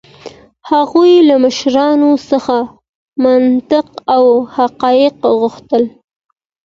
هغوی له مشرانو څخه منطق او حقایق غوښتل.